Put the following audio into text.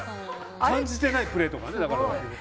感じてないプレーとかね。